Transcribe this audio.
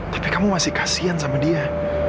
tapi kamu masih kasian sama dia